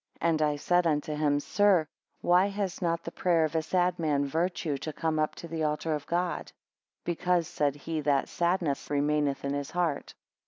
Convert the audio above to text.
And I said unto him, Sir, why has not the prayer of a sad man virtue to come up to the altar of God? Because, said he, that sadness remaineth in his heart.